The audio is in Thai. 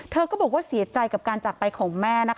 เธอก็บอกว่าเสียใจกับการจากไปของแม่นะคะ